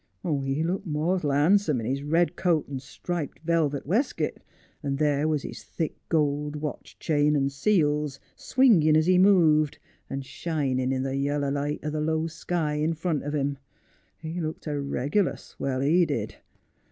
I Le looked mortal handsome in his red coat and striped velvet weskit, and there was his thick gold watch chain and seals, swinging as he moved, and shinin' in the yaller light o' the low sky in front of him. He looked a regular swell, he did.